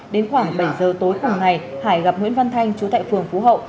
đến khoảng bảy giờ tối cùng ngày hải gặp nguyễn văn thanh chú tại phường phú hậu